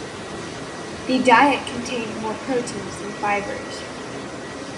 The diet contained more proteins than fibers.